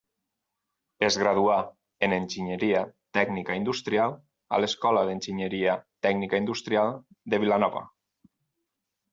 Es graduà en enginyeria tècnica industrial a l'Escola d’Enginyeria Tècnica Industrial de Vilanova.